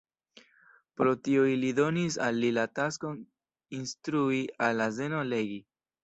Pro tio ili donis al li la taskon instrui al azeno legi.